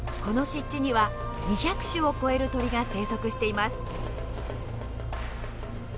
この湿地には２００種を超える鳥が生息しています。